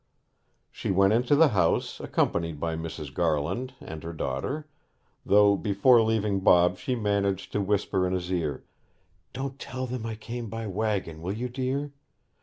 She went into the house, accompanied by Mrs. Garland and her daughter; though before leaving Bob she managed to whisper in his ear, 'Don't tell them I came by waggon, will you, dear?'